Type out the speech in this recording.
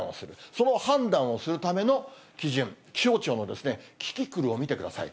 その判断をするための基準、気象庁のキキクルを見てください。